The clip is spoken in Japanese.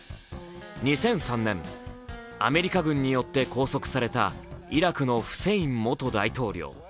２００３年、アメリカ軍によって拘束されたイラクのフセイン大統領。